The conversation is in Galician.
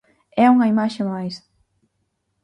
E unha imaxe máis.